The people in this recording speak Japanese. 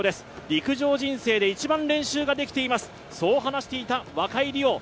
陸上人生で一番練習ができています、そう話していた若井莉央。